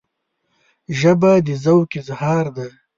ژبه د ذوق اظهار ده